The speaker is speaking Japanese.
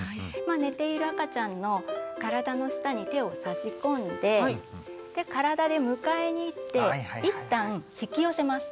寝ている赤ちゃんの体の下に手を差し込んで体で迎えにいって一旦引き寄せます。